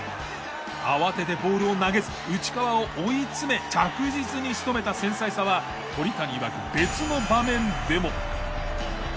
慌ててボールを投げず内川を追い詰め着実に仕留めた繊細さは鳥谷いわく別の場面でも。